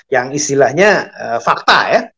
yang istilahnya fakta ya